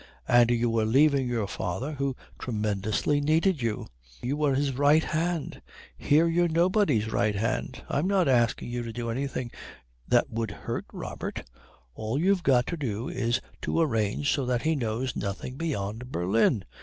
And you were leaving your father who tremendously needed you. You were his right hand. Here you're nobody's right hand. I'm not asking you to do anything that would hurt Robert. All you've got to do is to arrange so that he knows nothing beyond Berlin.